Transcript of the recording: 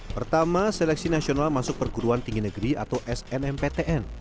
pertama seleksi nasional masuk perguruan tinggi negeri atau snmptn